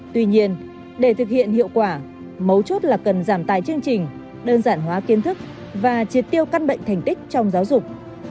tuy nhiên để thực hiện hiệu quả mấu chốt là cần giảm tài chương trình đơn giản hóa kiến thức và triệt tiêu căn bệnh thành tích trong giáo dục